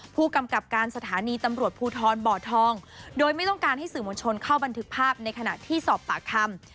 ผู้กำกับการสถานีตำรวจภูทรบ่อทองโดยไม่ต้องการให้สื่อมวลชนเข้าบันทึกภาพในขณะที่สอบปากคำ